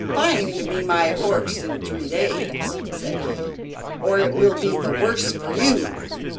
"Find me my horse in three days," said he, "or it will be the worse for you."